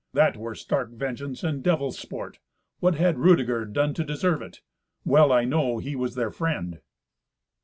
That were stark vengeance and devil's sport. What had Rudeger done to deserve it? Well I know he was their friend."